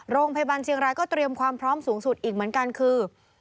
โรงพยาบาลเชียงรายก็เตรียมความพร้อมสูงสุดอีกเหมือนกันคือ